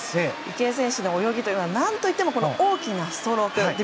池江選手の泳ぎは何といっても大きなストローク。